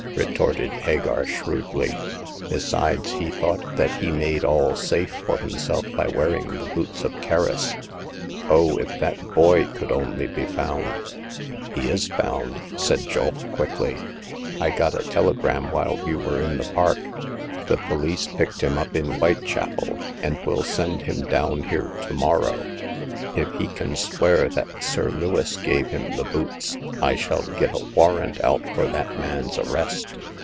'* retorted Hagar, shrewdly ;" besides, he thought that he made all safe for himself by wearing the boots of Kerris. It was Sir Lewis who gave the boots to Micky. Oh, if that boy could only be found !'He is found !'* said Julf, quickly. " I got a telegram while you were in the park. The police picked him up in Whitechapel, and will send him down here to morrow. If he can swear that Sir Lewis gave him the boots, I shall get a warrant out for that man's arrest."